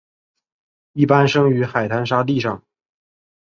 一般生于海滩沙地上。